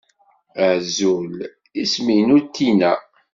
Azul, isem-inu Tina.